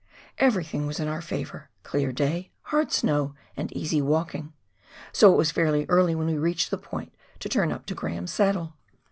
Everything was in our favour — clear day, hard snow, and easy walking — so it was fairly early when we reached the point to turn up to Graham's Saddle.